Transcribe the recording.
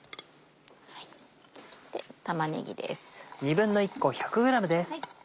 玉ねぎです。